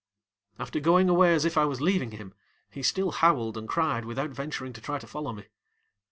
After going away as if I was leaving him, he still howled and cried without venturing to try to follow me.